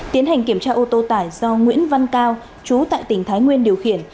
tiến hành kiểm tra ô tô tải do nguyễn văn cao chú tại tỉnh thái nguyên điều khiển